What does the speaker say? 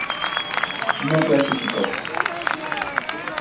No clasificó